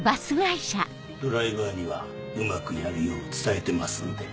ドライバーにはうまくやるよう伝えてますんで。